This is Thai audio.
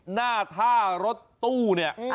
หน้าท่ารถตู้เนี่ย